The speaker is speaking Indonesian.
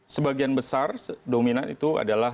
sebagian besar dominan itu adalah